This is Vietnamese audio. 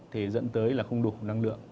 thì dẫn tới là không đủ năng lượng